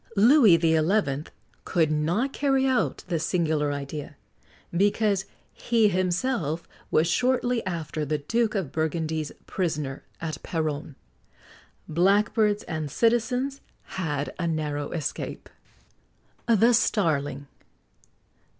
Louis XI. could not carry out this singular idea, because he himself was shortly after the Duke of Burgundy's prisoner at Péronne. Blackbirds and citizens had a narrow escape.[XX 60] THE STARLING.